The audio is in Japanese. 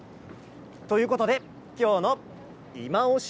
ということで今日のいまオシ！